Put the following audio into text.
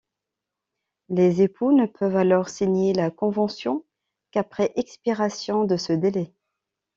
Les époux ne peuvent alors signer la convention qu’après expiration de ce délai.